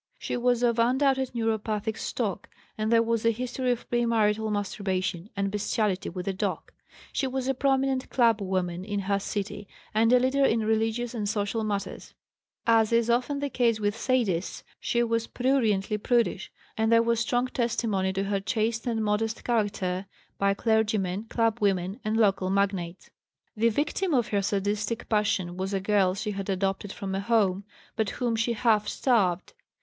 She was of undoubted neuropathic stock and there was a history of pre marital masturbation and bestiality with a dog. She was a prominent club woman in her city and a leader in religious and social matters; as is often the case with sadists she was pruriently prudish, and there was strong testimony to her chaste and modest character by clergymen, club women, and local magnates. The victim of her sadistic passion was a girl she had adopted from a Home, but whom she half starved.